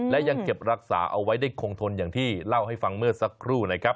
และยังเก็บรักษาเอาไว้ได้คงทนอย่างที่เล่าให้ฟังเมื่อสักครู่นะครับ